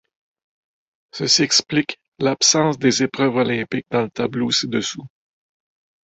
Ceci explique l'absence des épreuves olympiques dans le tableau ci-dessous.